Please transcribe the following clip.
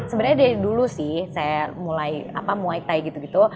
sebenarnya dari dulu sih saya mulai muay thai gitu gitu